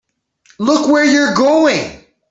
Look where you're going!